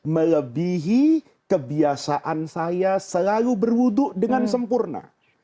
melebihi kebiasaan saya selalu berwudhu dengan sempurna